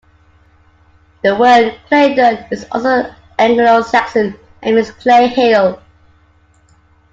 The word Claydon is also Anglo Saxon, and means 'clay hill'.